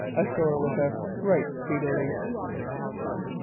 "Ashore with us, right speedily."